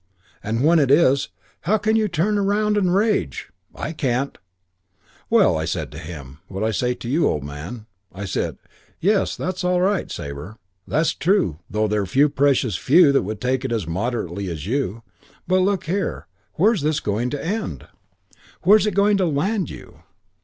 And when it is, how can you turn round and rage? I can't.' "Well, I said to him what I say to you, old man. I said, 'Yes, that's all right, Sabre. That's true, though there're precious few would take it as moderately as you; but look here, where's this going to end? Where's it going to land you?